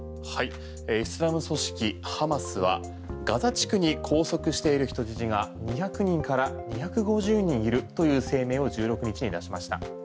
イスラム組織ハマスはガザ地区に拘束している人質が２００人から２５０人いるという声明を１６日に出しました。